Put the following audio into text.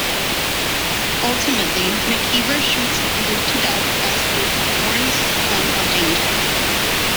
Ultimately, McKeever shoots Luke to death as Luke warns Slim of danger.